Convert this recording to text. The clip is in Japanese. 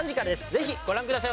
ぜひご覧ください